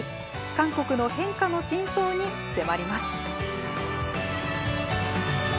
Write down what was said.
韓国の変化の深層に迫ります。